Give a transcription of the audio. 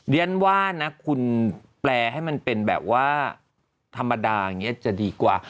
เรียนว่านะคุณแปลให้มันเป็นแบบว่าธรรมดาอย่างนี้จะดีกว่า